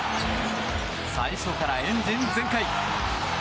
最初からエンジン全開。